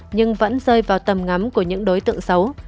nhưng vẫn rơi vào tầm ngắm của những đối tượng xấu